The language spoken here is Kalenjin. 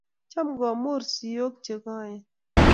Cham kumur sioik che koen